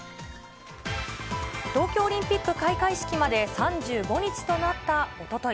東京オリンピック開会式まで３５日となったおととい。